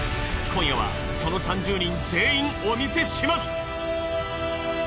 今夜はその３０人全員お見せします。